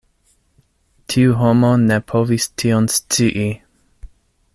Tiu homo ne povis tion scii.